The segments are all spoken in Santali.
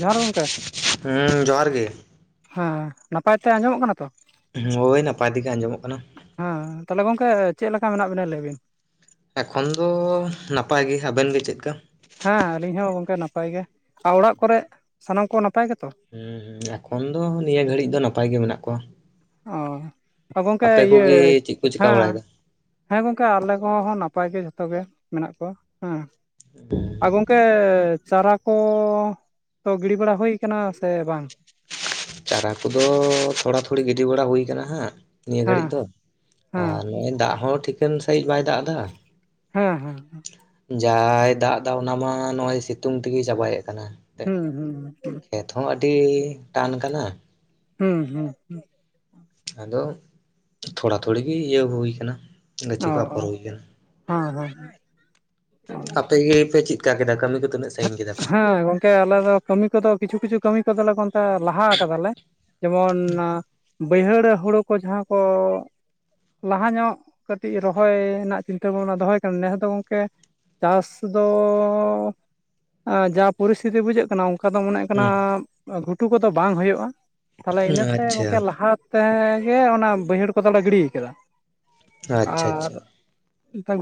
ᱡᱚᱦᱟᱨ ᱜᱚᱝᱠᱮ ᱦᱩᱸ ᱡᱚᱦᱟᱨ ᱜᱮ ᱦᱮᱸ ᱱᱟᱯᱟᱭ ᱛᱮ ᱟᱸᱡᱚᱢᱚᱜ ᱠᱟᱱᱟ ᱛᱚ ᱦᱳᱭ ᱱᱟᱯᱟᱭ ᱛᱮᱜᱮ ᱟᱸᱡᱚᱢᱚᱜ ᱠᱟᱱᱟ ᱦᱮᱸ ᱛᱟᱦᱚᱞᱮ ᱜᱚᱝᱠᱮ ᱪᱮᱫ ᱞᱮᱠᱟ ᱢᱮᱱᱟᱜ ᱵᱤᱱᱟ ᱞᱟᱹᱭ ᱵᱤᱱ ᱮᱠᱷᱚᱱ ᱫᱚ ᱱᱟᱯᱟᱭ ᱜᱮ ᱟᱵᱮᱱ ᱜᱮ ᱪᱮᱫᱠᱟ ᱦᱮᱸ ᱟᱞᱤᱧ ᱦᱚᱸ ᱜᱚᱝᱠᱮ ᱱᱟᱯᱟᱭ ᱜᱮ ᱟᱨ ᱚᱲᱟᱜ ᱠᱚᱨᱮ ᱥᱟᱱᱟᱢ ᱠᱚ ᱱᱟᱯᱟᱭ ᱜᱮᱛᱚ ᱸ ᱦᱸ ᱮᱠᱷᱚᱱ ᱫᱚ ᱱᱤᱭᱟᱹ ᱜᱷᱟᱹᱲᱤᱡ ᱫᱚ ᱱᱟᱯᱟᱭ ᱜᱮ ᱢᱮᱱᱟᱜ ᱠᱚᱣᱟ ᱚ ᱜᱚᱢᱠᱮ ᱟᱯᱮ ᱤᱭᱟᱹ ᱠᱚᱜᱮ ᱪᱮᱫ ᱠᱚ ᱪᱮᱠᱟ ᱦᱮᱸ ᱵᱟᱲᱟᱭᱮᱫᱟ ᱦᱮᱸ ᱜᱚᱝᱠᱮ ᱟᱞᱮ ᱠᱚ ᱦᱚᱸ ᱱᱟᱯᱟᱭ ᱜᱮ ᱡᱷᱚᱛᱚ ᱜᱮ ᱢᱮᱱᱟᱜ ᱠᱚᱣᱟ ᱦᱮᱸ ᱟᱨ ᱜᱚᱝᱠᱮ ᱪᱟᱨᱟ ᱠᱚᱻ ᱛᱚ ᱜᱤᱲᱤ ᱵᱟᱲᱟ ᱦᱩᱭᱩ ᱴᱟᱠᱟᱱᱟ ᱥᱮ ᱵᱟᱝ ᱪᱟᱨᱟ ᱠᱚᱫᱚ ᱛᱷᱚᱲᱟ ᱛᱷᱚᱲᱤ ᱜᱤᱰᱤ ᱵᱟᱲᱟ ᱦᱩᱭᱠᱟᱱᱟ ᱦᱟᱸᱟᱜ ᱱᱤᱭᱟᱹ ᱦᱮᱸ ᱜᱷᱟᱹᱲᱤᱡ ᱫᱚ ᱦᱮᱸ ᱟᱨ ᱱᱚᱜᱼᱚᱭ ᱫᱟᱜ ᱦᱚᱸ ᱴᱷᱤᱠᱟᱹᱱ ᱥᱟᱹᱦᱤᱡ ᱵᱟᱭ ᱫᱟᱜ ᱮᱫᱟ ᱦᱮᱸ ᱦᱮᱸᱸ ᱡᱟᱭᱸᱦᱟᱭ ᱫᱟᱮᱫᱟ ᱚᱱᱟ ᱢᱟ ᱱᱚᱜᱼᱚᱭ ᱥᱤᱛᱩᱝ ᱛᱮᱜᱮᱭ ᱪᱟᱵᱟᱭᱮᱫ ᱠᱟᱱᱟ ᱮᱱᱛᱮᱫ ᱦᱩᱸ ᱦᱩᱸ ᱦᱩᱸ ᱠᱷᱮᱛ ᱦᱚᱸ ᱟᱹᱰᱤ ᱴᱟᱱ ᱠᱟᱱᱟ ᱦᱩᱹ ᱦᱩ ᱦᱩ ᱟᱫᱚ ᱛᱷᱚᱲᱟ ᱛᱷᱩᱲᱤ ᱤᱭᱟᱹ ᱦᱩᱭ ᱠᱟᱱᱟ ᱚ ᱜᱟᱹᱪᱷᱤ ᱠᱚ ᱚ ᱟᱯᱷᱚᱨ ᱦᱩᱭ ᱠᱟᱱᱟ ᱦᱮᱸ ᱦᱮᱸ ᱦᱮᱸ ᱟᱯᱮ ᱜᱮᱯᱮ ᱪᱮᱫ ᱠᱟ ᱠᱮᱫᱟ ᱠᱟᱹᱢᱤ ᱠᱚ ᱛᱤᱱᱟᱹᱜ ᱥᱟ‌. ᱦᱮᱸ ᱜᱚᱝᱠᱮ ᱟᱞᱮ ᱫᱚ ᱠᱟᱹᱢᱤ ᱠᱚᱫᱚ ᱠᱤᱪᱷᱩ ᱠᱤᱪᱷᱩ ᱠᱟᱹᱢᱤ ᱠᱚᱫᱚᱞᱮ ᱮᱠᱷᱚᱱ ᱛᱚ ᱞᱟᱦᱟ ᱠᱟᱫᱟᱞᱮ ᱡᱮᱢᱚᱱ ᱵᱟᱹᱭᱦᱟᱹᱲ ᱨᱮ ᱦᱩᱲᱩ ᱠᱚ ᱡᱟᱦᱟᱸ ᱠᱚ ᱞᱟᱦᱟ ᱧᱚᱜ ᱠᱟᱹᱴᱤᱡ ᱨᱚᱦᱚᱭ ᱨᱮᱱᱟᱜ ᱪᱤᱱᱛᱟᱹ ᱵᱷᱟᱵᱽᱱᱟ ᱫᱚᱦᱚᱭ ᱠᱟᱱᱟ ᱱᱮᱥ ᱫᱚ ᱜᱚᱝᱠᱮ ᱪᱟᱥ ᱫᱚᱻ ᱡᱟ ᱯᱚᱨᱤᱥᱛᱷᱤᱛᱤ ᱵᱩᱡᱷᱟᱹᱜ ᱠᱟᱱᱟ ᱚᱱᱠᱟ ᱫᱚ ᱢᱚᱱᱮ ᱠᱟᱱᱟ ᱦᱩᱸ ᱜᱷᱩᱴᱩ ᱠᱚᱫᱚ ᱵᱟᱝ ᱦᱳᱭᱳᱜᱼᱟ ᱛᱟᱦᱚᱞᱮ ᱤᱱᱟᱹᱛᱮ ᱜᱚᱝᱠᱮ ᱟᱪᱪᱷᱟ ᱞᱟᱦᱟ ᱛᱮᱜᱮ ᱚᱱᱟ ᱵᱟᱹᱭᱦᱟᱹᱲ ᱠᱚᱫᱚᱞᱮ ᱜᱤᱲᱤ ᱠᱟᱫᱟ ᱟᱪᱪᱷᱟ ᱟᱨ ᱟᱪᱪᱷᱟ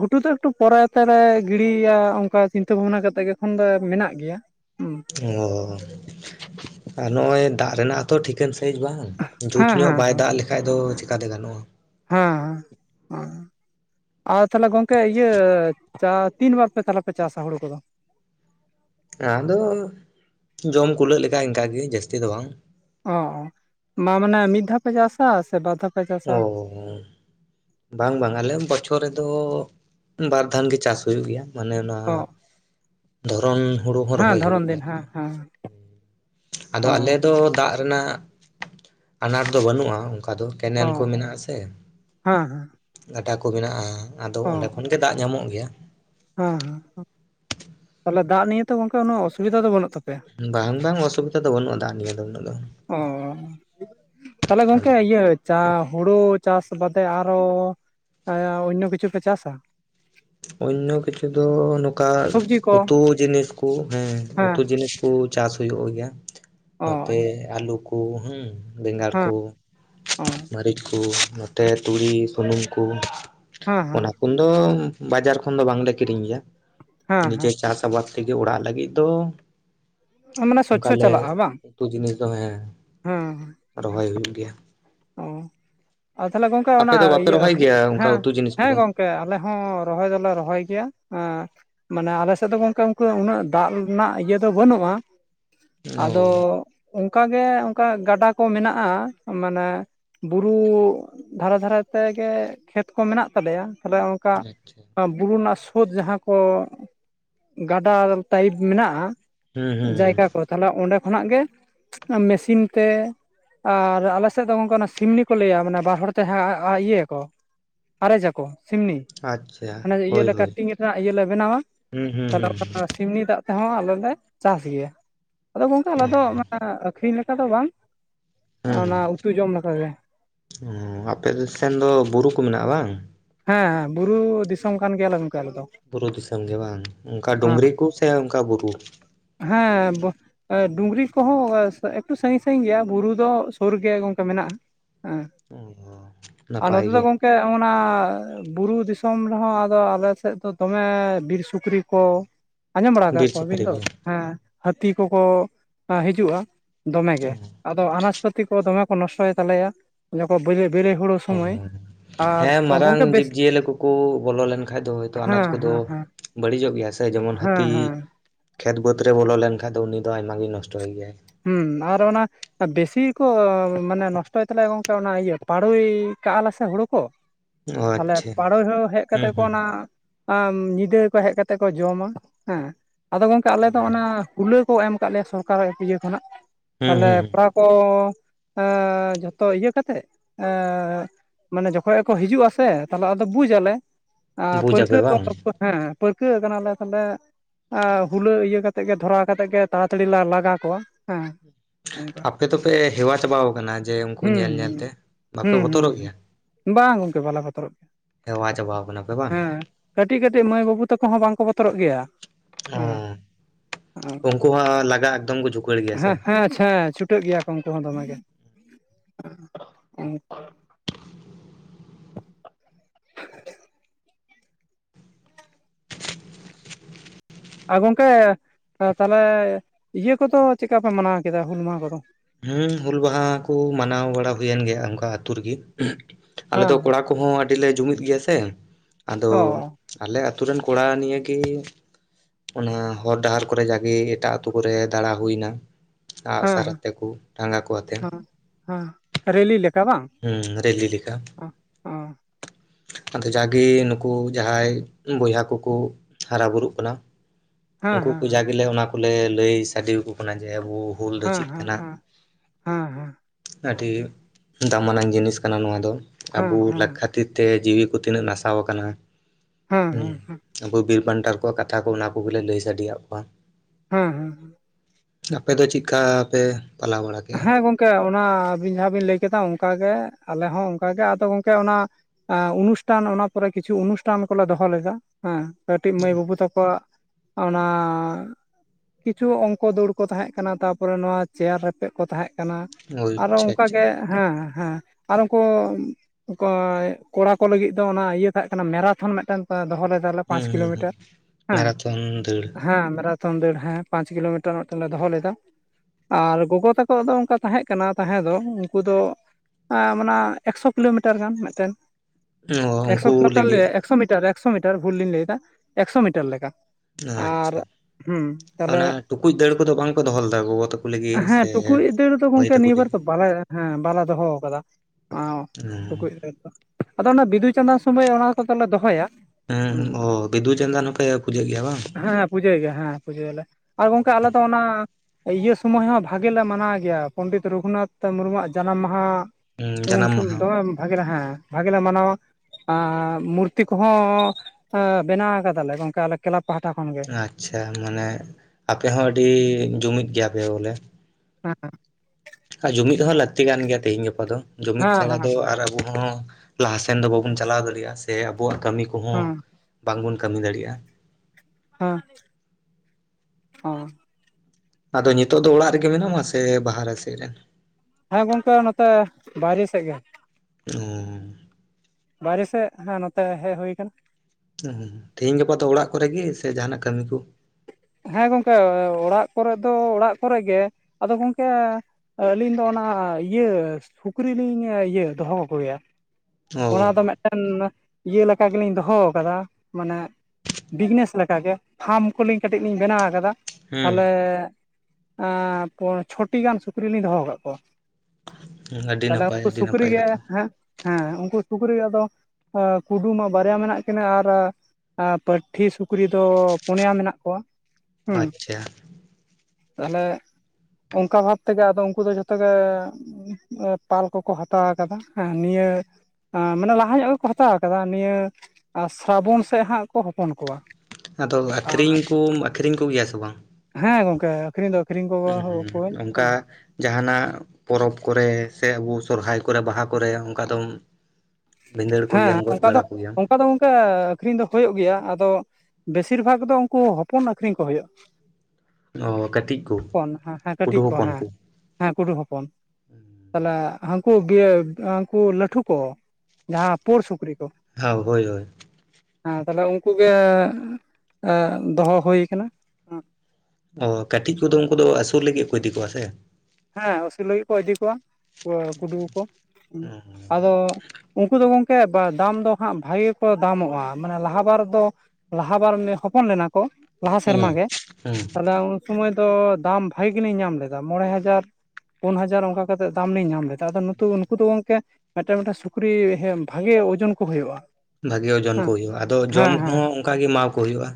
ᱜᱷᱩᱴᱩ ᱛᱮ ᱮᱠᱴᱩ ᱯᱚᱨᱮᱛᱮᱞᱮ ᱜᱤᱲᱤᱭᱮᱭᱟ ᱚᱱᱠᱟ ᱪᱤᱱᱛᱟᱹ ᱵᱷᱟᱵᱱᱟ ᱠᱟᱛᱮᱜ ᱜᱮ ᱮᱠᱷᱚᱱ ᱫᱚ ᱢᱮᱱᱟᱜ ᱜᱮᱭᱟ ᱦᱩᱸ ᱚ ᱟᱨ ᱱᱚᱜᱼᱚᱭ ᱫᱟᱜ ᱨᱮᱱᱟᱜ ᱛᱚ ᱴᱷᱤᱠᱟᱹᱱ ᱥᱟᱭᱤᱡ ᱵᱟᱝ ᱡᱩᱛ ᱦᱮᱸ ᱧᱚᱜ ᱦᱮᱸ ᱵᱟᱭ ᱫᱟᱜ ᱞᱮᱠᱷᱟᱡ ᱫᱚ ᱪᱤᱠᱟᱛᱮ ᱜᱟᱱᱚᱜᱼᱟ ᱦᱮᱸ ᱟᱨ ᱛᱟᱦᱚᱞᱮ ᱜᱚᱝᱠᱮ ᱤᱭᱟᱹ ᱛᱤᱱ ᱵᱟᱨ ᱯᱮ ᱛᱟᱦᱚᱞᱮ ᱯᱮ ᱪᱟᱥᱟ ᱦᱩᱲᱩ ᱠᱚᱫᱚ ᱟᱫᱚ ᱡᱚᱢ ᱠᱩᱞᱟᱹᱜ ᱞᱮᱠᱟ ᱤᱱᱠᱟᱜ ᱜᱮ ᱡᱟᱹᱥᱛᱤ ᱫᱚ ᱵᱟᱝ ᱚ ᱵᱟ ᱢᱟᱱᱮ ᱢᱤᱫ ᱫᱷᱟᱣ ᱯᱮ ᱪᱟᱥᱟ ᱥᱮ ᱵᱟᱨ ᱫᱷᱟᱯ ᱚ ᱵᱟᱝ ᱵᱟᱝ ᱟᱞᱮ ᱵᱚᱪᱷᱚᱨ ᱨᱮᱫᱚ ᱵᱟᱨ ᱫᱷᱟᱱ ᱜᱮ ᱪᱟᱥ ᱦᱩᱭᱩᱜ ᱜᱮᱭᱟ ᱢᱟᱱᱮ ᱚᱱᱟ ᱚ ᱫᱷᱚᱨᱚᱱ ᱦᱩᱲᱩ ᱦᱚᱸ ᱦᱮᱸ ᱨᱚᱦᱚᱭ ᱫᱷᱚᱨᱚᱱ ᱦᱩᱭᱩᱜ ᱜᱮᱭᱟ ᱫᱤᱱ ᱟᱞᱮ ᱦᱮᱸ ᱫᱚ ᱦᱮᱸ ᱚ ᱟᱫᱚ ᱟᱞᱮ ᱫᱚ ᱫᱟᱜ ᱨᱮᱱᱟᱜ ᱟᱱᱟᱴ ᱫᱚ ᱵᱟᱹᱱᱩᱜᱼᱟ ᱚᱱᱠᱟ ᱫᱚ ᱠᱮᱱᱮᱞ ᱚ ᱠᱚ ᱢᱮᱱᱟᱜ-ᱟ ᱥᱮ ᱦᱮᱸ ᱦᱮᱸ ᱜᱟᱰᱟ ᱠᱚ ᱢᱮᱱᱟᱜᱼᱟ ᱟᱫᱚ ᱚ ᱚᱸᱰᱮ ᱠᱷᱚᱱᱜᱮ ᱫᱟᱜ ᱧᱟᱢᱚᱜ ᱜᱮᱭᱟ ᱦᱮᱸ ᱦᱮᱸ, ᱛᱟᱦᱚᱞᱮ ᱫᱟᱜ ᱱᱤᱭᱮ ᱚᱱᱠᱟ ᱩᱱᱟᱹᱜ ᱚᱥᱩᱵᱤᱫᱟ ᱫᱚ ᱵᱟᱹᱱᱩᱜ ᱛᱟᱯᱮᱭᱟ ᱵᱟᱝ ᱵᱟᱝ ᱚᱥᱩᱵᱤᱫᱟ ᱫᱚ ᱵᱟᱹᱱᱩᱜ ᱟᱫᱟ ᱱᱤᱭᱟᱹ ᱫᱚ ᱩᱱᱟᱹᱜ ᱫᱚ ᱚ ᱛᱟᱦᱚᱞᱮ ᱜᱚᱝᱠᱮ ᱟᱫᱚ ᱤᱭᱟᱹ ᱪᱟ ᱦᱩᱲᱩ ᱪᱟᱥ ᱵᱟᱫᱮ ᱟᱨᱚ ᱚᱱᱱᱚ ᱠᱤᱪᱷᱩ ᱯᱮ ᱪᱟᱥᱟ ᱚᱱᱱᱚ ᱠᱤᱪᱷᱩ ᱫᱚ ᱱᱚᱝᱠᱟ ᱥᱚᱵᱽᱡᱤ ᱠᱚ ᱩᱛᱩ ᱡᱤᱱᱤᱥ ᱠᱚ ᱦᱮᱸ ᱩᱛᱩ ᱡᱤᱱᱤᱥ ᱠᱚ ᱪᱟᱥ ᱦᱩᱭᱩᱜ ᱜᱮᱭᱟ ᱚ ᱱᱚᱛᱮ ᱦᱮᱸ ᱟᱹᱞᱩ ᱠᱚ ᱦᱩᱸ ᱵᱮᱸᱜᱟᱲ ᱚ ᱠᱚ ᱦᱮᱸ ᱢᱟᱹᱨᱤᱪ ᱠᱚ ᱱᱚᱛᱮ ᱛᱩᱲᱤ ᱥᱩᱱᱩᱢ ᱠᱚ ᱦᱮᱸ ᱚᱱᱟ ᱠᱚ ᱫᱚ ᱵᱟᱡᱟᱨ ᱠᱷᱚᱱ ᱫᱚ ᱵᱟᱝᱞᱮ ᱠᱤᱨᱤᱧ ᱜᱮᱭᱟ ᱦᱮᱸ ᱱᱤᱡᱮ ᱦᱮᱸ ᱪᱟᱥ ᱟᱵᱟᱫ ᱛᱮᱜᱮ ᱚᱲᱟᱜ ᱞᱟᱹᱜᱤᱫ ᱫᱚ ᱢᱟᱱᱮ ᱚᱱᱠᱟ ᱥᱚᱪᱪᱷᱚ ᱞᱮ ᱪᱟᱞᱟᱜᱼᱟ ᱵᱟᱝ ᱩᱛᱩ ᱡᱤᱱᱤᱥ ᱫᱚ ᱦᱮᱸ ᱦᱮᱸ ᱦᱮᱸ, ᱨᱚᱦᱚᱭ ᱦᱩᱭᱩᱜ ᱜᱮᱭᱟ ᱚ ᱟ ᱛᱟᱦᱚᱞᱮ ᱜᱚᱝᱠᱮ ᱟᱯᱮ ᱚᱱᱟ ᱫᱚ ᱵᱟᱯᱮ ᱤᱭᱟᱹ ᱨᱚᱦᱚᱭ ᱟᱹᱠᱷᱨᱤᱧ, ᱜᱮᱭᱟ ᱚᱱᱠᱟ ᱦᱮᱸ ᱩᱛᱩ ᱡᱤᱱᱤᱥ ᱦᱮᱸ ᱠᱚᱫᱚ ᱜᱚᱝ ᱠᱮ ᱟᱞᱮ ᱦᱚᱸ ᱨᱚᱦᱚᱭ ᱫᱚᱞᱮ ᱨᱚᱦᱚᱭ ᱜᱮᱭᱟ ᱢᱟᱱᱮ ᱟᱞᱮᱥᱮᱫ ᱫᱚ ᱜᱚᱝᱠᱮ ᱩᱱᱠᱟ ᱩᱱᱟᱹᱜ ᱫᱟᱜ ᱨᱮᱱᱟᱜ ᱤᱭᱟᱹ ᱫᱚ ᱵᱟᱹᱱᱩᱜᱼᱟ ᱚ ᱟᱫᱚ ᱚᱱᱠᱟ ᱜᱮ ᱚᱱᱠᱟ ᱜᱟᱰᱟ ᱠᱚ ᱢᱮᱱᱟᱜᱼᱟ᱾ ᱢᱟᱱᱮ ᱵᱩᱨᱩ ᱫᱷᱟᱨᱮ ᱫᱷᱟᱨᱮ ᱛᱮᱜᱮ ᱠᱷᱮᱛ ᱠᱚ ᱢᱮᱱᱟᱜ ᱛᱟᱞᱮᱭᱟ ᱛᱟᱦᱚᱞᱮ ᱠᱟ ᱟᱪᱪᱷᱟ ᱟᱵ [inaudible] ᱵᱩᱨᱩ ᱨᱮᱱᱟᱜ ᱥᱳᱫᱷ ᱡᱟᱦᱟᱸ ᱠᱚ ᱜᱟᱰᱟ ᱴᱟᱭᱤᱯ ᱢᱮᱱᱟᱜᱼᱟ ᱦᱩᱸ ᱦᱩᱸ ᱡᱟᱭᱜᱟ ᱠᱚ ᱛᱟᱞᱦᱮ ᱚᱸᱰᱮ ᱠᱷᱚᱱᱟᱜ ᱜᱮ ᱢᱮᱥᱤᱱ ᱛᱮ ᱟᱨ ᱟᱞᱮ ᱥᱮᱫ ᱫᱚ ᱜᱚᱝᱠᱮ ᱚᱱᱟ ᱥᱤᱢᱱᱤ ᱠᱚ ᱞᱟᱹᱭᱟ ᱢᱟᱱᱮ ᱵᱟᱨ ᱦᱚᱲᱛᱮ ᱤᱭᱟᱹᱭᱟᱠᱚ ᱟᱨᱮᱡᱟᱠᱚ ᱥᱤᱢᱱᱤ ᱟᱪᱪᱷᱟ ᱢᱟᱱᱮ ᱤᱭᱟᱹ ᱦᱳᱭ ᱞᱮᱠᱟ ᱦᱳᱭ ᱴᱤᱝ ᱨᱮᱱᱟᱜ ᱤᱭᱟᱹ ᱞᱮ ᱵᱮᱱᱟᱣᱟ ᱦᱩᱸ ᱦᱩᱸ ᱛᱟᱦᱞᱮ ᱦᱩᱸ ᱚᱱᱟ ᱥᱤᱢᱱᱤ ᱫᱟᱜ ᱛᱮᱦᱚᱸ ᱟᱞᱮ ᱪᱟᱥ ᱜᱮᱭᱟ ᱟᱫᱚ ᱜᱚᱝᱠᱮ ᱟᱞᱮ ᱦᱩᱸ ᱫᱚ ᱟᱹᱠᱷᱨᱤᱧ ᱞᱮᱠᱟ ᱫᱚ ᱵᱟᱝ ᱦᱩᱸ ᱦᱩᱸ ᱚᱱᱟ ᱩᱛᱩ ᱡᱚᱢ ᱞᱮᱠᱟᱜᱮ ᱟᱯᱮ ᱥᱮᱱ ᱫᱚ ᱵᱩᱨᱩ ᱠᱚ ᱢᱮᱱᱟᱜᱼᱟ ᱵᱟᱝ ᱦᱮᱸ ᱦᱮᱸ ᱵᱩᱨᱩ ᱫᱤᱥᱚᱢ ᱠᱟᱱ ᱜᱮᱭᱟᱞᱮ ᱜᱚᱝᱠᱮ ᱟᱞᱮ ᱫᱚ ᱵᱩᱨᱩ ᱫᱤᱥᱚᱢ ᱜᱮ ᱵᱟᱝ ᱚᱱᱠᱟ ᱦᱮᱸ ᱰᱩᱝᱨᱤ ᱠᱚ ᱥᱮ ᱚᱱᱠᱟ ᱵᱩᱨᱩ ᱦᱮᱸ ᱰᱩᱝᱨᱤ ᱠᱚᱦᱚᱸ ᱮᱠᱴᱩ ᱥᱟᱺᱜᱤᱧ ᱥᱟᱹᱺᱜᱤᱧ ᱜᱮᱭᱟ ᱵᱩᱨᱩ ᱫᱚ ᱥᱩᱨ ᱨᱮᱜᱮ ᱜᱚᱝᱠᱮ ᱢᱮᱱᱟᱜᱼᱟ ᱦᱮᱸ ᱚ ᱟᱨ ᱱᱟᱯᱟᱭ ᱱᱚᱛᱮ ᱫᱚ ᱜᱮ ᱜᱚᱝᱠᱮ ᱚᱱᱟ ᱵᱩᱨᱩ ᱫᱤᱥᱚᱢ ᱨᱮᱦᱚᱸ ᱟᱫᱚ ᱟᱞᱮᱥᱮᱫ ᱫᱚ ᱫᱚᱢᱮ ᱵᱤᱨ ᱥᱩᱠᱨᱤ ᱠᱚ ᱟᱸᱡᱚᱢ ᱵᱟᱲᱟ ᱵᱤᱨ ᱠᱟᱫ ᱠᱚᱣᱟᱵᱤᱱ ᱥᱩᱠᱨᱤ ᱛᱚ ᱠᱚ ᱦᱮᱸ ᱦᱟᱹᱛᱤ ᱠᱚᱠᱚ ᱦᱤᱡᱩᱜᱼᱟ ᱫᱚᱢᱮᱜᱮ ᱟᱫᱚ ᱟᱱᱟᱡ ᱯᱟᱹᱛᱤ ᱠᱚ ᱫᱚᱢᱮ ᱠᱚ ᱱᱚᱥᱴᱚᱭ ᱛᱟᱞᱮᱭᱟ ᱚᱱᱟ ᱠᱚ ᱵᱮᱞᱮ ᱵᱮᱞᱮ ᱦᱩᱲᱳ ᱥᱚᱢᱚᱭ ᱟᱨ [unintelligible] ᱡᱤᱵᱽ ᱡᱤᱭᱟᱹᱞᱤ ᱠᱚᱠᱚ ᱵᱚᱞᱚ ᱞᱮᱱᱠᱷᱟᱱ ᱫᱚ ᱦᱳᱭᱛᱳ ᱟᱱᱟᱡ ᱦᱮᱸ ᱠᱚᱫᱚ ᱦᱮᱸ ᱦᱮᱸ ᱵᱟᱹᱲᱤᱡᱚᱜ ᱜᱮᱭᱟ ᱥᱮ ᱡᱮᱢᱚᱱ ᱦᱮᱸ ᱦᱟᱹᱛᱤ ᱦᱮᱸ ᱠᱷᱮᱛ ᱵᱟᱹᱫᱽ ᱨᱮ ᱵᱚᱞᱚ ᱞᱮᱱᱠᱷᱟᱱ ᱫᱚ ᱩᱱᱤ ᱫᱚ ᱟᱭᱢᱟᱜᱮ ᱱᱚᱥᱴᱚᱭ ᱜᱮᱭᱟᱭ ᱦᱩᱸ ᱟᱨ ᱚᱱᱟ ᱵᱮᱥᱤ ᱠᱚ ᱢᱟᱱᱮ ᱱᱚᱥᱴᱚᱭ ᱛᱟᱞᱮᱭᱟ ᱜᱚᱢᱠᱮ ᱚᱱᱟ ᱤᱭᱟᱹ ᱯᱟᱲᱳᱭ ᱠᱟᱜ-ᱟ ᱥᱮ ᱦᱩᱲᱩ ᱠᱚ ᱚ ᱛᱟᱦᱞᱮ ᱟᱪᱪᱷᱟ ᱯᱟᱲᱳᱭ ᱦᱮᱡ ᱦᱩᱸ ᱠᱟᱛᱮᱫ ᱠᱚ ᱦᱩᱸ ᱚᱱᱟ ᱧᱤᱫᱟᱹ ᱠᱚ ᱦᱮᱡ ᱠᱟᱛᱮ ᱠᱚ ᱡᱚᱢᱟ ᱦᱮᱸ ᱟᱫᱚ ᱜᱚᱢᱠᱮ ᱟᱞᱮ ᱫᱚ ᱚᱱᱟ ᱠᱩᱞᱟᱹ ᱠᱚ ᱮᱢ ᱠᱟᱫ ᱞᱮᱭᱟ ᱥᱚᱨᱠᱟᱨ ᱮ [unintelligible] ᱠᱷᱚᱱᱟᱜ ᱦᱩᱸ ᱛᱟᱦᱞᱮ ᱦᱩᱸ ᱛᱚ ᱮᱸ ᱡᱷᱚᱛᱚ ᱤᱭᱟᱹ ᱠᱟᱛᱮᱫ ᱢᱟᱱᱮ ᱡᱚᱠᱷᱚᱡ ᱜᱮᱠᱚ ᱦᱤᱡᱩᱜ ᱟ ᱥᱮ ᱛᱟᱦᱞᱮ ᱟᱫᱚ ᱵᱩᱡᱟᱞᱮ ᱮᱸ ᱵᱩᱡᱟᱯᱮ ᱯᱟᱹᱨᱠᱟᱹᱣ ᱵᱟᱝ ᱦᱮᱸ ᱯᱟᱹᱨᱠᱟᱹᱣ ᱠᱟᱱᱟᱞᱮ ᱛᱟᱦᱚᱞᱮ ᱦᱩᱞᱟᱹ ᱤᱭᱟᱹ ᱠᱟᱛᱮᱜ ᱜᱮ ᱫᱷᱚᱨᱟᱣ ᱠᱟᱛᱮᱜ ᱜᱮ ᱛᱟᱲᱟᱛᱟᱹᱲᱤ ᱞᱮ ᱞᱟᱜᱟ ᱠᱚᱣᱟ ᱦᱮᱸ ᱚᱱᱠᱟ ᱟᱯᱮ ᱫᱚᱯᱮ ᱦᱮᱣᱟ ᱪᱟᱵᱟᱣ ᱠᱟᱱᱟ ᱡᱮ ᱩᱱᱠᱩ ᱦᱩᱸ ᱧᱮᱞ ᱦᱩᱸ ᱧᱮᱞᱛᱮ, ᱵᱟᱯᱮ ᱦᱩᱸ ᱦᱩᱸ ᱵᱚᱛᱚᱨᱚᱜ ᱜᱮᱭᱟ? ᱵᱟᱝ ᱜᱚᱢᱠᱮ ᱵᱟᱞᱮ ᱵᱚᱛᱚᱨᱚᱜ ᱜᱮᱭᱟ, ᱦᱮᱣᱟ ᱪᱟᱵᱟᱣ ᱠᱟᱱᱟ ᱯᱮ ᱵᱟᱝ ᱦᱮᱸ ᱠᱟᱹᱴᱤᱡ ᱠᱟᱹᱴᱤᱡ ᱢᱟᱹᱭ ᱵᱟᱵᱩ ᱛᱟᱠᱚᱦᱚᱸ ᱵᱟᱝᱠᱚ ᱵᱚᱛᱚᱨ ᱚ ᱩᱱᱠᱩ ᱦᱚᱸ ᱞᱟᱜᱟ ᱮᱠᱫᱚᱢ ᱜᱮ [unintelligible] ᱦᱮᱸ ᱦᱮᱸ ᱪᱷᱮᱸ ᱪᱷᱩᱴᱟᱹᱜ ᱜᱮᱭᱟ ᱠᱚ ᱩᱱᱠᱩ ᱦᱚᱸ ᱫᱚᱢᱮ ᱜᱮ᱾ [unintelligible] ᱟᱨ ᱜᱚᱢᱠᱮ ᱛᱟᱦᱚᱞᱮ ᱤᱭᱟᱹ ᱠᱚᱫᱚ ᱪᱮᱫᱠᱟ ᱯᱮ ᱢᱟᱱᱟᱣ ᱠᱮᱫᱟ ᱦᱩᱞ ᱢᱟᱦᱟ ᱠᱚᱫᱚ? ᱦᱮᱸ ᱦᱩᱞ ᱢᱟᱦᱟ ᱠᱚ ᱢᱟᱱᱟᱣ ᱵᱟᱲᱟ ᱦᱩᱭᱮᱱ ᱜᱮᱭᱟ ᱚᱱᱠᱟ ᱟᱛᱳ ᱨᱮᱜᱮ ᱟᱞᱮ ᱫᱚ ᱦᱮᱸ ᱠᱚᱲᱟ ᱠᱚ ᱠᱚᱦᱚᱸ ᱟᱹᱰᱤᱞᱮ ᱡᱩᱢᱤᱫ ᱜᱮᱭᱟᱥᱮ, ᱟᱫᱚ ᱚ ᱟᱞᱮ ᱟᱛᱳ ᱨᱮᱱ ᱠᱚᱲᱟ ᱱᱤᱭᱮ‌ᱜᱤ ᱚᱱᱟ ᱦᱚᱨ ᱰᱟᱦᱟᱨ ᱠᱚᱨᱮ ᱡᱟᱜᱮ ᱮᱴᱟᱜ ᱟᱛᱳ ᱠᱚᱨᱮ ᱫᱟᱬᱟ ᱦᱩᱭᱱᱟ ᱟᱸᱜ ᱦᱮᱸ ᱥᱟᱨ ᱦᱮᱸ ᱟᱛᱮᱠᱚ ᱴᱟᱸᱜᱟ ᱠᱚ ᱟᱛᱮᱫ ᱦᱮᱸ ᱦᱮᱸ ᱨᱮᱞᱤ ᱞᱮᱠᱟ ᱵᱟᱝ? ᱦᱩᱸ ᱨᱮᱞᱤ ᱞᱮᱠᱟ ᱚ ᱦᱮᱸ ᱟᱫᱚ ᱡᱟᱜᱮ ᱱᱩᱠᱩ ᱡᱟᱦᱟᱸᱭ ᱵᱚᱭᱦᱟ ᱠᱚᱠᱚ ᱦᱟᱨᱟ ᱵᱩᱨᱩᱜ ᱠᱟᱱᱟ ᱦᱮᱸ ᱩᱱᱠᱩ ᱠᱚ ᱡᱟ ᱦᱮᱸ ᱜᱮᱞᱮ ᱚᱱᱟ ᱠᱚᱞᱮ ᱞᱟᱹᱭ ᱥᱟᱰᱮ ᱟᱠᱚ ᱠᱟᱱᱟ ᱡᱮ ᱟᱵᱚ ᱦᱩᱞ ᱫᱚ ᱦᱮᱸ ᱪᱮᱫ ᱦᱮᱸ ᱠᱟᱱᱟ ᱦᱮᱸ ᱦᱮᱸ ᱟᱹᱰᱤ ᱫᱟᱢᱟᱱᱟᱝ ᱡᱤᱱᱤᱥ ᱠᱟᱱᱟ ᱱᱚᱣᱟ ᱫᱚ ᱦᱮᱸ ᱟᱵᱚ ᱦᱮᱸ ᱦᱮᱸ ᱦᱮᱸ [unintelligible] ᱠᱷᱟᱹᱛᱤᱨ ᱛᱮ ᱡᱤᱣᱤ ᱠᱚ ᱛᱤᱱᱟᱹᱜ ᱱᱟᱥᱟᱣ ᱟᱠᱟᱱᱟ ᱦᱮᱸ ᱦᱮᱸ ᱦᱮᱸ ᱟᱵᱚ ᱵᱤᱨ ᱵᱟᱱᱴᱟ ᱠᱚᱣᱟᱜ ᱠᱟᱛᱷᱟ ᱠᱚ ᱚᱱᱟ ᱠᱚᱜᱮᱞᱮ ᱞᱟᱹᱭ ᱥᱟᱰᱮ ᱟᱫ ᱠᱚᱣᱟ ᱦᱮᱸ ᱦᱮᱸ ᱟᱯᱮ ᱫᱚ ᱪᱮᱫᱠᱟ ᱯᱮ ᱯᱟᱞᱟᱣ ᱵᱟᱲᱟ? ᱠᱮᱜᱼᱟ ᱦᱮᱸ ᱜᱚᱝᱠᱮ ᱚᱱᱟ ᱟᱹᱵᱤᱱ ᱡᱟᱦᱟᱸ ᱵᱤᱱ ᱞᱟᱹᱭ ᱠᱮᱫᱟ ᱚᱱᱠᱟᱜᱮ ᱟᱞᱮ ᱦᱚᱸ ᱚᱱᱠᱟᱜᱮ ᱟᱫᱚ ᱜᱚᱝᱠᱮ ᱚᱱᱟ ᱮ ᱚᱱᱩᱥᱴᱷᱟᱱ ᱚᱱᱟ ᱠᱚᱨᱮ ᱠᱤᱪᱷᱩ ᱚᱱᱩᱥᱴᱷᱟᱱ ᱠᱚᱞᱮ ᱫᱚᱦᱚ ᱞᱮᱫᱟ ᱦᱮᱸ ᱠᱟᱹᱴᱤᱡ ᱢᱟᱹᱭ ᱵᱟᱹᱵᱩ ᱛᱟᱠᱚᱣᱟᱜ ᱚᱱᱟ ᱠᱤᱪᱷᱩ ᱚᱝᱠᱚ ᱫᱟᱹᱲ ᱠᱚ ᱛᱟᱦᱮᱸᱜ ᱠᱟᱱᱟ ᱛᱟᱯᱚᱨᱮ ᱱᱚᱣᱟ ᱪᱮᱭᱟᱨ ᱨᱮᱯ ᱠᱚ ᱛᱟᱦᱮᱸ ᱠᱟᱱᱟ ᱚ ᱟᱨᱚ ᱟᱪᱪᱷᱟ ᱟᱪᱪᱷᱟ ᱚᱱᱠᱟᱜᱮ ᱦᱮᱸ ᱦᱮᱸ ᱟᱨ ᱩᱱᱠᱩ ᱚᱠᱚᱭ ᱠᱚᱲᱟ ᱠᱚ ᱞᱟᱹᱜᱤᱫ ᱫᱚ ᱚᱱᱟ ᱤᱭᱟᱹ ᱛᱟᱦᱮᱸ ᱠᱟᱱᱟ ᱢᱮᱨᱟᱛᱷᱚᱱ ᱢᱤᱫᱴᱟᱝ ᱫᱚᱦᱚᱞᱮᱫ ᱛᱟᱞᱦᱮ ᱯᱟᱸᱪ ᱦᱩᱸ ᱦᱩᱸ ᱦᱩᱸ ᱠᱤᱞᱳᱢᱤᱴᱟᱨ ᱦᱮᱸ ᱢᱮᱨᱟᱛᱷᱚᱱ ᱫᱟᱹᱲ ᱦᱮᱸ ᱢᱮᱨᱟ [unintelligible] ᱯᱟᱸᱪ ᱠᱤᱞᱳᱢᱤᱴᱟᱨ ᱢᱤᱫᱴᱟᱝ ᱞᱮ ᱫᱚᱦᱚ ᱞᱮᱫᱟ ᱟᱨ ᱜᱚᱜᱚ ᱛᱟᱠᱚᱣᱟᱜ ᱫᱚ ᱚᱱᱠᱟ ᱛᱟᱦᱮᱸ ᱠᱟᱱᱟ ᱛᱟᱦᱮᱸ ᱫᱚ ᱩᱱᱠᱩ ᱫᱚ ᱟᱸ ᱢᱟᱱᱮ ᱮᱠᱥᱳ ᱠᱤᱞᱳᱢᱤᱴᱟᱨ ᱜᱟᱱ ᱢᱤᱫᱴᱟᱝ ᱚ ᱮᱠᱥᱳ ᱩᱱᱠᱩ ᱞᱟᱹᱜᱤᱫ ᱼᱼ ᱮᱠᱥᱳ ᱢᱤᱴᱟᱨ ᱮᱠᱥᱳ ᱢᱤᱴᱟᱨ ᱵᱷᱩᱞ ᱞᱤᱧ ᱞᱟᱹᱭᱮᱫᱟ ᱮᱠᱥᱚ ᱢᱤᱴᱟᱨ ᱞᱮᱠᱟ ᱟᱨ ᱟᱪᱪᱷᱟ ᱦᱩᱸ ᱛᱟᱞᱦᱮ ᱚᱱᱟ ᱴᱩᱠᱩᱡ ᱫᱟᱹᱲ ᱠᱚᱫᱚ ᱵᱟᱝ ᱠᱚ ᱫᱚᱦ ᱞᱮᱫᱟ ᱜᱚᱜᱚ ᱛᱟᱠ? ᱦᱮᱸ ᱴᱩᱠᱩᱡ ᱫᱟᱹᱲ ᱫᱚ ᱜᱚᱝᱠᱮ ᱱᱤᱭᱟᱹ ᱵᱟᱨ ᱛᱚ ᱞᱟᱹᱜᱤᱫ ᱵᱟᱞᱮ ᱦᱮᱸ ᱵᱟᱞᱮ ᱫᱚᱦᱚ ᱟᱠᱟᱫᱟ ᱚ ᱴᱩᱠᱩᱡ ᱦᱮᱸ ᱨᱮ ᱫᱚ ᱟᱫᱚ ᱚᱱᱟ ᱵᱤᱫᱩᱼ ᱪᱟᱸᱫᱟᱱ ᱥᱚᱢᱚᱭ ᱚᱱᱟ ᱠᱚᱫᱚᱞᱮ ᱫᱚᱦᱚᱭᱟ ᱮᱸ ᱚ ᱵᱤᱫᱩ ᱪᱟᱸᱫᱟᱱ ᱦᱚᱸᱯᱮ ᱯᱩᱡᱟᱹᱭ ᱜᱮᱭᱟ ᱵᱟᱝ? ᱦᱮᱸ ᱯᱩᱡᱟᱹᱭ ᱜᱮᱭᱟ ᱦᱮᱸ ᱯᱩᱡᱟᱹᱭᱟᱞᱮ ᱟᱨ ᱜᱚᱝᱠᱮ ᱟᱞᱮ ᱫᱚ ᱚᱱᱟ ᱤᱭᱟᱹ ᱥᱚᱢᱚᱭ ᱦᱚᱸ ᱵᱷᱟᱜᱮ ᱞᱮ ᱢᱟᱱᱟᱣ ᱜᱮᱭᱟ ᱯᱚᱱᱰᱤᱛ ᱨᱚᱜᱷᱩᱱᱟᱛᱷ ᱢᱩᱨᱢᱩᱣᱟᱜ ᱡᱟᱱᱟᱢ ᱢᱟᱦᱟ ᱩᱱ ᱡᱟᱱᱟᱢ ᱥᱚᱢ ᱢᱟᱦᱟ ᱫᱚᱢᱮ ᱵᱷᱟᱜᱮ ᱦᱮᱸ ᱵᱷᱟᱜᱮ ᱞᱮ ᱢᱟᱱᱟᱣᱟ ᱟᱨ ᱢᱩᱨᱛᱤ ᱠᱚᱦᱚᱸ ᱵᱮᱱᱟᱣ ᱟᱠᱟᱫᱟᱞᱮ ᱜᱚᱝᱠᱮ ᱟᱞᱮ ᱠᱮᱞᱟᱵᱽ ᱯᱟᱦᱴᱟ ᱠᱷᱚᱱᱜᱮ ᱟᱪᱪᱷᱟ, ᱢᱟᱱᱮ ᱟᱯᱮ ᱦᱚᱸ ᱟᱹᱰᱤ ᱡᱩᱢᱤᱫ ᱜᱮᱭᱟᱯᱮ ᱵᱚᱞᱮ ᱦᱮᱸ [inaudible] ᱟᱨ ᱡᱩᱢᱤᱫ ᱦᱚᱸ ᱞᱟᱹᱠᱛᱤ ᱠᱟᱱ ᱜᱮᱭᱟ ᱛᱮᱦᱮᱧ ᱜᱟᱯᱟ ᱫᱚ ᱡᱩᱢᱤᱫ ᱦᱮᱸ ᱪᱷᱟᱲᱟ ᱦᱮᱸ ᱫᱚ ᱦᱮᱸ ᱟᱨ ᱟᱵᱚ ᱦᱚᱸ ᱞᱟᱦᱟᱥᱮᱱ ᱫᱚ ᱵᱟᱵᱚᱱ ᱪᱟᱞᱟᱣ ᱫᱟᱲᱮᱭᱟᱜᱼᱟ ᱥᱮ ᱟᱵᱚᱣᱟᱜ ᱠᱟᱹᱢᱤ ᱠᱚᱦᱚᱸ ᱦᱮᱸ ᱵᱟᱝ ᱵᱚᱱ ᱠᱟᱹᱢᱤ ᱫᱟᱲᱮᱭᱟᱜᱼᱟ ᱦᱮᱸ ᱚ ᱟᱫᱚ ᱱᱤᱛᱚᱜ ᱫᱚ ᱚᱲᱟᱜ ᱨᱮᱜᱮ ᱢᱮᱢᱟ ᱥᱮ ᱵᱟᱦᱨᱮ ᱥᱮᱫ ᱨᱮ ᱦᱮᱸ ᱜᱚᱝᱠᱮ ᱱᱚᱛᱮ ᱵᱟᱭᱨᱮ ᱥᱮᱫ ᱜᱮ ᱚᱻ ᱵᱟᱭᱨᱮ ᱥᱮᱫ ᱦᱮᱸ ᱱᱚᱛᱮ ᱦᱮᱡ ᱦᱩ ᱟᱠᱟᱱᱟ ᱩᱸᱻ ᱛᱮᱦᱮᱧ ᱜᱟᱯᱟ ᱫᱚ ᱚᱲᱟᱜ ᱠᱚᱨᱮ ᱜᱮ ᱥᱮ ᱡᱟᱦᱟᱱᱟᱜ ᱠᱟᱹᱢᱤ ᱠᱚ ᱦᱮᱸ ᱜᱚᱝᱠᱮ ᱚᱲᱟᱜ ᱠᱚᱨᱮ ᱫᱚ ᱚᱲᱟᱜ ᱠᱚᱨᱮ ᱜᱮ ᱟᱫᱚ ᱜᱚᱝᱠᱮ ᱟᱹᱞᱤᱧ ᱫᱚ ᱚᱱᱟ ᱤᱭᱟᱹ ᱥᱩᱠᱨᱤᱞᱤᱧ ᱤᱭᱟᱹ ᱫᱚᱦᱚ ᱠᱚᱜᱮᱭᱟ ᱚ ᱚᱱᱟ ᱫᱚ ᱢᱤᱫᱴᱟᱱ ᱤᱭᱟᱹ ᱞᱮᱠᱟ ᱜᱮᱞᱤᱧ ᱫᱚᱦᱚ ᱟᱠᱟᱫᱟ ᱢᱟᱱᱮ ᱵᱤᱡᱽᱱᱮᱥ ᱞᱮᱠᱟᱜᱮ ᱯᱷᱟᱨᱢ ᱠᱚᱞᱤᱧ ᱠᱟᱹᱴᱤᱡ ᱞᱤᱧ ᱵᱮᱱᱟᱣ ᱠᱟᱫᱟ ᱛᱟᱦᱞᱮ ᱦᱩᱸ ᱮᱸ ᱯᱚ ᱪᱷᱚᱴᱤ ᱜᱟᱱ ᱥᱩᱠᱨᱤᱞᱤᱧ ᱫᱚᱦᱚ ᱟᱠᱟᱫ ᱠᱚᱣᱟ ᱟᱹᱰᱤ ᱛᱟᱦᱞᱮ ᱩᱱᱠᱩ ᱱᱟᱯᱟᱭ ᱟᱹᱰᱤ ᱥᱩᱠᱨᱤ ᱱᱟᱯᱟᱭ ᱜᱮ ᱠᱟᱛᱷᱟ ᱦᱮᱸ ᱦᱮᱸ ᱩᱱᱠᱩ ᱥᱩᱠᱨᱤ ᱜᱮ ᱟᱫᱚ ᱮᱸ ᱠᱩᱰᱩ ᱢᱟ ᱵᱟᱨᱭᱟ ᱢᱮᱱᱟᱜ ᱠᱤᱱᱟᱹ ᱟᱨ ᱟᱨ ᱯᱟᱹᱴᱷᱤ ᱥᱩᱠᱨᱤ ᱫᱚ ᱯᱩᱱᱭᱟ ᱢᱮᱱᱟᱜ ᱠᱚᱣᱟ ᱟᱪᱪᱷᱟ ᱛᱟᱦᱞᱮ ᱚᱝᱠᱟ ᱵᱷᱟᱵ ᱛᱮᱜᱮ ᱟᱫᱚ ᱩᱱᱠᱩ ᱫᱚ ᱡᱚᱛᱚᱜᱮ ᱯᱟᱞ ᱠᱚᱠᱚ ᱦᱟᱛᱟᱣ ᱟᱠᱟᱫᱟ ᱱᱤᱭᱟᱹ ᱢᱟᱱᱮ ᱞᱟᱦᱟ ᱧᱚᱜ ᱜᱮᱠᱚ ᱦᱟᱛᱟᱣ ᱟᱠᱟᱫᱟ ᱱᱤᱭᱟᱹ ᱥᱨᱟᱵᱚᱱ ᱥᱮᱫ ᱦᱟᱸᱜ ᱠᱚ ᱦᱚᱯᱚᱱ ᱠᱚᱣᱟ ᱟᱫᱚ ᱟᱹᱠᱷᱨᱤᱧ ᱟᱨ ᱠᱚᱢ ᱟᱹᱠᱷᱨᱤᱧ ᱠᱚᱜᱮᱭᱟ ᱥᱮ ᱵᱟᱝ ᱦᱮᱸ ᱜᱚᱝᱠᱮ ᱟᱠᱷᱨᱤᱧ ᱫᱚ ᱟᱠᱷᱨᱤᱧ ᱠᱚᱣᱟ ᱦᱳ ᱦᱩᱸ ᱠᱚᱣᱟᱹᱧ ᱚᱱᱠᱟ ᱦᱮᱸ ᱡᱟᱦᱟᱱᱟᱜ ᱯᱚᱨᱚᱵᱽ ᱠᱚᱨᱮ ᱥᱮ ᱟᱵᱚ ᱥᱚᱦᱨᱟᱭ ᱠᱚᱨᱮ ᱵᱟᱦᱟ ᱠᱚᱨᱮ ᱚᱝᱠᱟ ᱫᱚᱢ ᱵᱷᱤᱸᱫᱟᱹᱲ ᱠᱚᱜᱮᱟᱢ ᱜᱚᱡ ᱵᱟᱲᱟ ᱠᱚᱜᱮᱭᱟᱢ ᱟᱫᱚ ᱜᱚᱝᱠᱮ ᱟᱠᱷᱨᱤᱧ ᱫᱚ ᱦᱩᱭᱩᱜ ᱜᱮᱭᱟ ᱟᱫᱚ ᱵᱮᱥᱤᱨ ᱵᱷᱟᱜᱽ ᱫᱚ ᱩᱝᱠᱩ ᱦᱚᱯᱚᱱ ᱟᱠᱷᱨᱤᱧ ᱠᱚ ᱦᱩᱭᱩᱜᱼᱟ ᱚ ᱠᱟᱹᱴᱤᱡ ᱠᱚ ᱦᱚᱯᱚᱱ ᱦᱮᱸ ᱠᱩᱰᱩ ᱠᱟᱹᱴᱤᱡ ᱠᱚ ᱦᱚᱯᱚᱱ ᱦᱮᱸ ᱦᱮᱸ ᱠᱩᱰᱩ ᱦᱚᱯᱚᱱ, ᱛᱟᱦᱞᱮ ᱦᱟᱝᱠᱩ ᱜᱮ‌‌ ᱮᱸᱻ ᱦᱟᱝᱠᱩ ᱞᱟᱹᱴᱷᱩ ᱠᱚ ᱡᱟᱸᱦᱟ ᱯᱩᱬ ᱥᱩᱠᱨᱤ ᱠᱚ ᱦᱚᱣ, ᱦᱳᱭ ᱦᱳᱭ ᱦᱮᱸ ᱛᱟᱦᱚᱞᱮ ᱩᱱᱠᱩ ᱜᱮ ᱮᱸᱻ ᱫᱚᱦᱚ ᱦᱩᱭ ᱠᱟᱱᱟ ᱚᱻ ᱠᱟᱹᱴᱤᱡ ᱠᱚᱫᱚ ᱩᱝᱠᱩ ᱫᱚ ᱟᱹᱥᱩᱨ ᱞᱟᱹᱜᱤᱫ ᱠᱚ ᱤᱫᱤ ᱠᱚᱣᱟ ᱥᱮ ᱦᱮᱸ ᱟᱹᱥᱩᱞ ᱞᱟᱹᱜᱤᱫ ᱠᱚ ᱤᱫᱤ ᱠᱚᱣᱟ ᱠᱩᱰᱩ ᱠᱚ ᱦᱩᱸ ᱟᱫᱚ ᱩᱱᱠᱩ ᱫᱚ ᱜᱚᱢᱠᱮ ᱫᱟᱢ ᱫᱚ ᱦᱟᱸᱜ ᱵᱷᱟᱜᱮ ᱜᱮ ᱠᱚ ᱫᱟᱢᱚᱜᱼᱟ ᱢᱟᱱᱮ ᱞᱟᱦᱟ ᱵᱟᱨ ᱫᱚ ᱞᱟᱦᱟ ᱵᱟᱨ ᱢᱟᱱᱮ ᱦᱚᱯᱚᱱ ᱞᱮᱱᱟ ᱠᱚ ᱞᱟᱦᱟ ᱦᱮᱸ ᱥᱮᱨᱢᱟ ᱜᱮ ᱦᱮᱸ ᱛᱟᱦᱞᱮ ᱩᱱ ᱥᱩᱚᱢᱚᱭ ᱫᱚ ᱫᱟᱢ ᱵᱷᱟᱜᱤ ᱜᱮᱞᱤᱧ ᱧᱟᱢ ᱞᱮᱫᱟ ᱢᱚᱬᱮ ᱦᱟᱡᱟᱨ ᱯᱩᱱ ᱦᱟᱡᱟᱨ ᱚᱝᱠᱟ ᱠᱟ ᱠᱟᱛᱮᱮᱫ ᱫᱟᱢ ᱞᱤᱧ ᱧᱟᱢ ᱞᱮᱫᱟ ᱟᱫᱚ ᱱᱤᱛᱚᱜ ᱱᱩᱠᱩ ᱫᱚ ᱜᱚᱝᱠᱮ ᱢᱮᱫᱴᱮᱡ ᱢᱮᱫᱴᱮᱡ ᱥᱩᱠᱨᱤ ᱦᱮᱸ ᱵᱷᱟᱜᱮ ᱳᱡᱚᱱ ᱠᱚ ᱦᱩᱭᱩᱜᱼᱟ ᱵᱷᱟᱜᱮ ᱳᱡᱚᱱ ᱠᱚ ᱦᱮᱸ ᱦᱩᱭᱩᱜᱼᱟ ᱟᱫᱚ ᱡᱚᱢ ᱦᱮᱸ ᱦᱮᱸ ᱠᱚᱦᱚᱸ ᱚᱝᱠᱟᱜ ᱜᱮ ᱮᱢᱟᱠᱚ ᱦᱩᱭᱩᱜᱼᱟ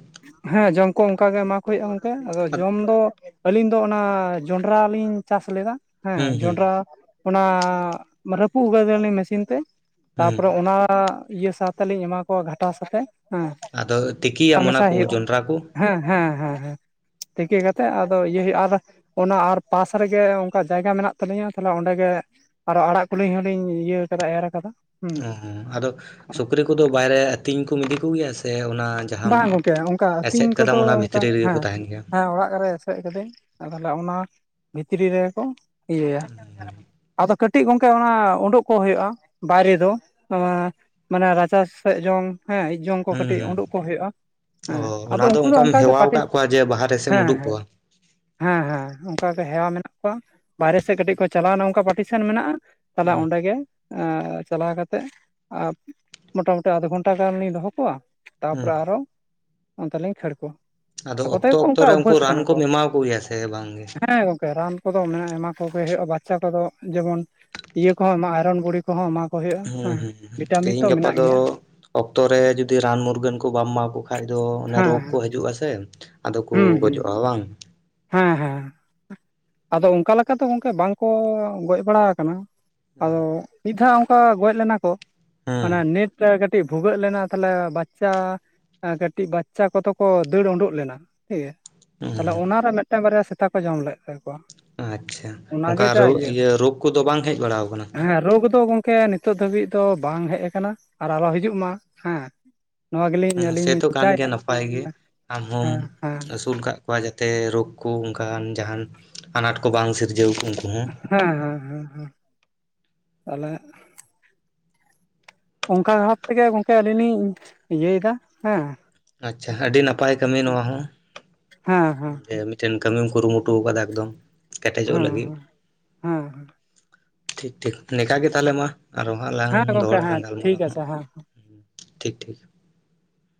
ᱦᱮᱸ ᱡᱚᱢ ᱠᱚ ᱚᱝᱠᱟᱜᱮ ᱮᱢᱟ ᱠᱚ ᱦᱩᱭᱩᱜᱼᱟ ᱜᱚᱝᱠᱮ ᱟᱫᱚ ᱡᱚᱢ ᱫᱚ ᱟᱹᱞᱤᱧ ᱫᱚ ᱚᱱᱟ ᱡᱚᱸᱰᱨᱟ ᱞᱤᱧ ᱪᱟᱥ ᱞᱮᱫᱟ ᱦᱮᱸ ᱦᱩᱸ ᱦᱩᱸ ᱡᱚᱸᱰᱨᱟ ᱚᱱᱟ ᱨᱟᱹᱯᱩᱫ ᱠᱟᱫᱟᱞᱤᱧ ᱢᱮᱥᱤᱱ ᱛᱮ ᱦᱩᱸ ᱛᱟᱯᱚᱨᱮ ᱚᱱᱟ ᱤᱭᱟᱹ ᱥᱟᱶ ᱛᱮᱞᱤᱧ ᱮᱢᱟ ᱠᱚᱣᱟ ᱜᱷᱟᱴᱟ ᱥᱟᱛᱮᱜ ᱟᱫᱚ ᱛᱤᱠᱤᱭᱤᱭᱟᱟᱢ ᱚᱱᱟ ᱠᱚ ᱡᱚᱸᱰᱨᱟ ᱠᱚ ᱦᱮᱸ ᱦᱮᱸ ᱦᱮᱸ ᱦᱮᱸ ᱛᱤᱠᱤ ᱠᱟᱛᱮ ᱟᱫᱚ ᱤᱭᱟᱹ ᱦᱩᱭᱩᱜᱼᱟ ᱟᱨ ᱚᱱᱟ ᱟᱨ ᱯᱟᱥ ᱨᱮᱜᱮ ᱚᱝᱠᱟ ᱡᱟᱭᱜᱟ ᱢᱮᱱᱟᱜ ᱛᱟᱞᱤᱧᱟ ᱛᱟᱦᱞᱮ ᱚᱸᱰᱮ ᱜᱮ ᱟᱨᱚ ᱟᱲᱟᱜ ᱠᱩᱞᱤᱧ ᱦᱚᱸᱞᱤᱧ ᱤᱭᱟᱹ ᱠᱟᱫᱟ ᱮᱨ ᱠᱟᱫᱟ ᱦᱩᱸ ᱚ, ᱟᱫᱚ ᱥᱩᱠᱨᱤ ᱠᱚᱫᱚ ᱵᱟᱭᱨᱮ ᱟᱹᱛᱤᱧ ᱠᱚᱢ ᱤᱫᱤ ᱠᱚᱜᱮᱭᱟ ᱥᱮ ᱚᱱᱟ ᱡᱟᱦᱟᱸᱢ ᱵᱟᱝ ᱜᱚᱝᱠᱮ ᱚᱝᱠᱟ ᱟᱹᱛᱤᱧ ᱮᱥᱮᱫ ᱠᱚᱫᱚ ᱠᱟᱫᱟᱢ ᱚᱱᱟ ᱚᱝᱠᱟ ᱵᱷᱤᱛᱨᱤ ᱨᱮᱜᱮ ᱠᱚ ᱦᱮᱸ ᱛᱟᱦᱮᱱ ᱜᱮᱭᱟ ᱦᱮᱸ ᱚᱲᱟᱜ ᱨᱮ ᱮᱴᱮᱫ ᱠᱟᱹᱫᱟᱹᱧ ᱟᱨ ᱛᱟᱦᱞᱮ ᱚᱱᱟ ᱵᱷᱤᱛᱨᱤ ᱨᱮᱜᱮ ᱠᱚ ᱤᱭᱟᱹᱭᱟ ᱦᱻ ᱟᱫᱚ ᱠᱟᱹᱴᱤᱡ ᱜᱚᱝᱠᱮ ᱚᱱᱟ ᱩᱰᱩᱠ ᱠᱚ ᱦᱩᱭᱩᱜᱼᱟ ᱵᱟᱭᱨᱮ ᱫᱚ ᱮ ᱢᱟᱱᱮ ᱨᱟᱪᱟ ᱥᱮᱮᱫ ᱡᱚᱝ ᱦᱮᱸ ᱦᱤᱡ ᱡᱚᱝ ᱠᱚ ᱦᱩᱸ ᱠᱟᱹᱴᱤᱡ ᱦᱩᱸ ᱩᱸᱰᱩᱠ ᱠᱚ ᱦᱩᱭᱩᱜᱼᱟ ᱚ ᱦᱮᱸ ᱟᱫᱚ ᱚᱱᱟ ᱩᱱᱠᱩ ᱫᱚ ᱚᱱᱠᱟᱢ ᱚᱱᱠᱟᱟᱜ ᱜᱮ ᱦᱮᱣᱟᱣ ᱯᱟᱨᱴᱤᱥ ᱟᱠᱟᱫ ᱠᱚᱣᱟ ᱡᱮ ᱵᱟᱦᱨᱮ ᱥᱮᱫ ᱮᱢ ᱦᱮᱸ ᱩᱰᱩᱠ ᱦᱮᱸ ᱠᱚᱣᱟ ᱦᱮᱸ ᱦᱮᱸ ᱚᱱᱠᱟᱜ ᱦᱮᱣᱟ ᱢᱮᱱᱟᱜ ᱠᱚᱣᱟ ᱵᱟᱦᱨᱮ ᱥᱮᱫ ᱠᱟᱹᱴᱤᱡ ᱠᱚ ᱪᱟᱞᱟᱣᱱᱟ ᱚᱱᱠᱟ ᱯᱟᱴᱤᱥᱮᱱ ᱢᱮᱱᱟᱜᱼᱟ ᱾ ᱛᱟᱦᱚᱞᱮ ᱦᱩᱸ ᱚᱸᱰᱮ ᱜᱮ ᱪᱟᱞᱟᱣ ᱠᱟᱛᱮᱮᱫ ᱢᱚᱴᱟᱢᱩᱴᱤ ᱟᱫᱷ ᱜᱷᱚᱱᱴᱟ ᱜᱟᱱᱞᱤᱤᱧ ᱫᱚᱦᱚ ᱠᱚᱣᱟ ᱾ ᱛᱟᱯᱚᱨᱮ ᱦᱩᱸ ᱟᱨᱚ ᱚᱱᱛᱮ ᱞᱤᱧ ᱠᱷᱟᱹᱲ ᱠᱚᱣᱟ ᱟᱫᱚ ᱟᱠᱚᱛᱮᱜᱮ ᱚᱠᱛᱚ ᱠᱚ ᱚᱠᱛᱚ ᱚᱱᱠᱟ ᱨᱮ ᱩᱱᱠᱩ ᱩᱵᱵᱟᱹᱥ ᱨᱟᱱ ᱠᱟᱱᱟ ᱠᱚ ᱠᱚᱢ ᱮᱢᱟᱠᱚ ᱜᱮᱭᱟ ᱥᱮ ᱵᱟᱝᱜᱮ ᱦᱮᱸ ᱜᱚᱝᱠᱮ ᱨᱟᱱ ᱠᱚᱫᱚ ᱢᱮᱱᱟᱜᱼᱟ ᱮᱢᱟ ᱠᱚᱜᱮ ᱦᱩᱭᱩᱜᱼᱟ ᱵᱟᱪᱪᱟ ᱠᱚᱫᱚ ᱡᱮᱢᱚᱱ ᱤᱭᱟᱹ ᱠᱚᱦᱚᱸ ᱟᱭᱨᱚᱱ ᱵᱩᱲᱤ ᱠᱚᱦᱚᱸ ᱮᱢᱟ ᱠᱚ ᱦᱩᱭᱩᱜᱼᱟ ᱦᱩᱸ ᱦᱮᱸ ᱦᱩᱸ ᱵᱷᱤᱴᱟᱢᱤᱱ ᱛᱚ ᱛᱮᱦᱤᱧ ᱜᱟᱯᱟ ᱢᱮᱱᱟᱜ ᱫᱚ ᱜᱮᱭᱟ ᱚᱠᱛᱚ ᱨᱮ ᱡᱩᱫᱤ ᱨᱟᱱ ᱢᱩᱨᱜᱟᱹᱱ ᱠᱚ ᱵᱟᱢ ᱮᱢᱟᱠᱚ ᱠᱷᱟᱡ ᱫᱚ ᱚᱱᱮ ᱦᱮᱸ ᱨᱳᱜᱽ ᱠᱚ ᱦᱤᱡᱩᱜᱼᱟᱥᱮ ᱾ ᱟᱫᱚ ᱠᱚ ᱦᱩᱸ ᱦᱩᱸ ᱜᱚᱡᱚᱜᱼᱟ ᱵᱟᱝ? ᱦᱮᱸ ᱦᱮᱸ ᱟᱫᱚ ᱚᱱᱠᱟ ᱞᱮᱠᱟ ᱞᱮᱠᱟᱛᱮ ᱜᱚᱝᱠᱮ ᱵᱟᱝᱠᱚ ᱜᱚᱡ ᱵᱟᱲᱟ ᱟᱠᱟᱱᱟ ᱟᱫᱚ ᱢᱤᱫ ᱫᱷᱟᱣ ᱚᱱᱠᱟ ᱜᱚᱡ ᱞᱮᱱᱟ ᱠᱚ ᱦᱩᱸ ᱢᱟᱱᱮ ᱱᱮᱴ ᱨᱮ ᱠᱟᱹᱴᱤᱡ ᱵᱷᱩᱜᱟᱹᱜ ᱞᱮᱱᱟ ᱛᱟᱦᱞᱮ ᱵᱟᱪᱪᱟ ᱠᱟᱹᱴᱤᱡ ᱵᱟᱪᱪᱟ ᱠᱚᱫᱚ ᱠᱚ ᱫᱟᱹᱲ ᱩᱰᱩᱠ ᱞᱮᱱᱟ ᱦᱷᱤᱠ ᱜᱮᱭᱟ ᱾ ᱛᱟᱦᱞᱮ ᱦᱩᱸ ᱚᱱᱟᱨᱮ ᱢᱤᱫᱴᱮᱱ ᱵᱟᱨᱭᱟ ᱥᱮᱛᱟ ᱠᱚ ᱡᱚᱢ ᱞᱮᱫ ᱛᱟᱠᱚᱣᱟ ᱾ ᱟᱪᱪᱷᱟ ᱚᱱᱠᱟ ᱨ ᱤᱭᱟᱹ ᱨᱳᱜᱽ ᱠᱚᱫᱚ ᱵᱟᱝ ᱦᱮᱡ ᱵᱟᱲᱟ ᱟᱠᱟᱱᱟ ᱾ ᱦᱮᱸ ᱨᱳᱜᱽ ᱫᱚ ᱜᱚᱝ ᱜᱚᱢᱠᱮ ᱱᱤᱛᱚᱜ ᱫᱷᱟᱹᱵᱤᱡ ᱫᱚ ᱵᱟᱝ ᱦᱮᱡ ᱟᱠᱟᱱᱟ ᱟᱨ ᱟᱞᱚ ᱦᱤᱡᱩᱜ ᱢᱟ ᱦᱮᱸ ᱱᱚᱣᱟ ᱜᱮᱞᱤᱧ ᱟᱹᱞᱤᱧ ᱥᱮᱛᱚ ᱞᱤᱧ ᱠᱟᱱ ᱜᱮᱭᱟ ᱪᱟᱭᱟ ᱱᱟᱯᱟᱭ ᱜᱮ ᱟᱢ ᱦᱚᱢ ᱦᱮᱸ ᱦᱮᱸ ᱟᱹᱥᱩᱞ ᱠᱟᱜ ᱟᱠᱣᱟᱜ ᱡᱟᱛᱮ ᱨᱳᱜᱽ ᱠᱚ ᱚᱱᱠᱟᱱ ᱡᱟᱦᱟᱱ ᱟᱱᱟᱴ ᱠᱚ ᱵᱟᱝ ᱥᱤᱨᱡᱟᱹᱣ ᱩᱱᱠᱩ ᱦᱚᱸ ᱾ ᱦᱮᱸ ᱦᱮᱸ ᱦ ᱛᱟᱦᱚᱞᱮ ᱚᱱᱠᱟ ᱵᱷᱟᱵ ᱛᱮᱜᱮ ᱜᱚᱝᱠᱮ ᱟᱹᱞᱤᱧ ᱞᱤᱧ ᱤᱭᱟᱹᱭᱮᱫᱟ ᱦᱮᱸ ᱟᱪᱪᱷᱟ ᱟᱹᱰᱤ ᱱᱟᱯᱟᱭ ᱠᱟᱹᱢᱤ ᱦᱮᱸ ᱱᱚᱣᱟ ᱦᱚᱸ ᱦᱮᱸ ᱦᱮᱸ ᱡᱮ ᱢᱤᱫ ᱪᱤᱱᱛᱟᱹᱢᱮᱢ ᱠᱩᱨᱩᱢᱩᱴᱩ ᱠᱟᱫᱟ ᱮᱠᱫᱚᱢ ᱠᱮᱴᱮᱡᱚᱜ ᱦᱮᱸ ᱞᱟᱹᱜᱤᱫ ᱦᱮᱸ ᱦᱮᱸ ᱾ ᱴᱷᱤᱠ ᱴᱷᱤᱠ ᱱᱤᱝᱠᱮ ᱛᱟᱦᱞᱮ ᱢᱟ ᱟᱨᱚ ᱦᱟᱸᱜ ᱞᱟᱝ ᱦᱮᱸ ᱜᱚᱝᱠᱮ ᱫᱚᱦᱚᱲᱟ ᱞᱟᱝ ᱦᱮᱸ ᱴᱷᱤᱠ ᱜᱟᱞᱢᱟᱨᱟᱣ ᱦᱟᱸᱜ ᱟᱪᱷᱮ ᱦᱮᱸ ᱾ ᱴᱷᱤᱠ ᱴᱷᱤᱠ